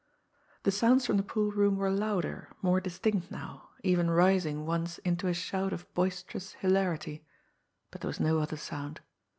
The sounds from the pool room were louder, more distinct now, even rising once into a shout of boisterous hilarity; but there was no other sound.